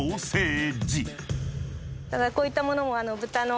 こういった物も。